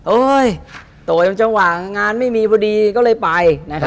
โอ้ยโต๊ะอย่างจังหว่างงานไม่มีพอดีก็เลยไป